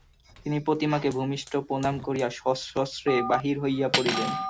তিনি প্রতিমাকে ভূমিষ্ঠ প্রণাম করিয়া সশস্ত্রে বাহির হইয়া পড়িলেন।